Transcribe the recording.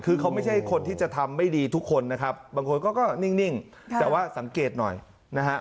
คือเขาไม่ใช่คนที่จะทำไม่ดีทุกคนนะครับบางคนก็นิ่งแต่ว่าสังเกตหน่อยนะฮะ